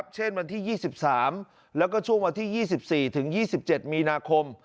เช่นวันที่๒๓แล้วก็ช่วงวันที่๒๔ถึง๒๗มีนาคม